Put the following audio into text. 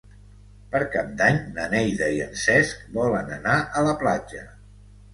Per Cap d'Any na Neida i en Cesc volen anar a la platja.